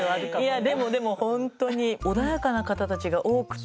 いやでもでも本当に穏やかな方たちが多くて。